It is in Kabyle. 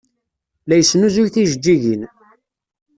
La yesnuzuy tijeǧǧigin.